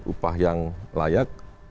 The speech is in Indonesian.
upah yang layak